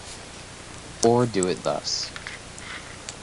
Or do it thus.